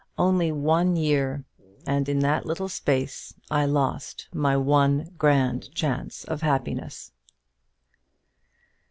Only one year! and in that little space I lost my one grand chance of happiness."